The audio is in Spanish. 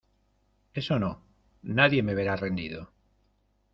¡Eso no! nadie me verá rendido.